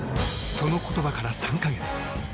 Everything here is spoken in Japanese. その言葉から３か月。